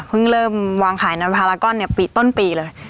เพิ่งเริ่มวางขายในพารากอนเนี่ยต้นปีเลย